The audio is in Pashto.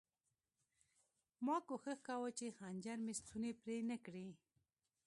ما کوښښ کاوه چې خنجر مې ستونی پرې نه کړي